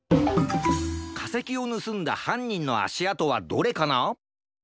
かせきをぬすんだはんにんのあしあとはどれかな？